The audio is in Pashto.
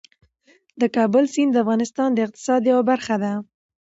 د کابل سیند د افغانستان د اقتصاد یوه برخه ده.